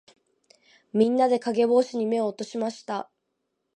みんなで、かげぼうしに目を落としました。